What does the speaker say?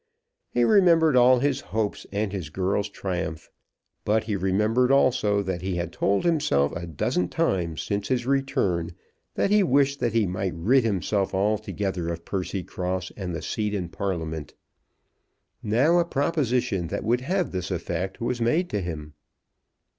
He remembered all his hopes, and his girls' triumph. But he remembered also that he had told himself a dozen times since his return that he wished that he might rid himself altogether of Percycross and the seat in Parliament. Now a proposition that would have this effect was made to him.